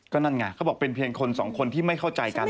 ก็นั่นไงเขาบอกเป็นเพียงคนสองคนที่ไม่เข้าใจกัน